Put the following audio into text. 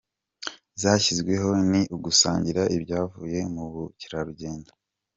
zashyizweho ni ugusangira ibyavuye mu bukerarugendo